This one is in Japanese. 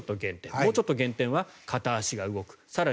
もうちょっと減点は片足が動く。